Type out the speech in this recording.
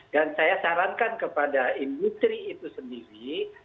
dan saya sarankan kepada industri itu sendiri